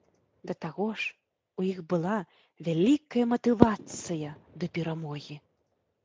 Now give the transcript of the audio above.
Да таго ж, у іх была вялікая матывацыя да перамогі.